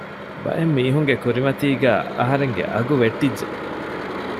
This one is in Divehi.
ބައެއް މީހުންގެ ކުރިމަތީގައި އަހަރެންގެ އަގު ވެއްޓިއްޖެ